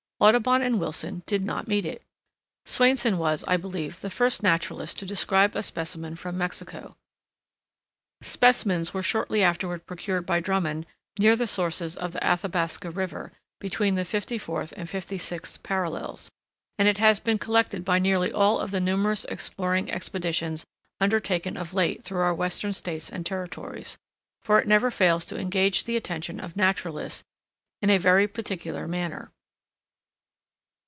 Audubon and Wilson did not meet it. Swainson was, I believe, the first naturalist to describe a specimen from Mexico. Specimens were shortly afterward procured by Drummond near the sources of the Athabasca River, between the fifty fourth and fifty sixth parallels; and it has been collected by nearly all of the numerous exploring expeditions undertaken of late through our Western States and Territories; for it never fails to engage the attention of naturalists in a very particular manner.